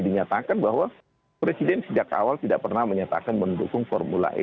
dinyatakan bahwa presiden sejak awal tidak pernah menyatakan mendukung formula e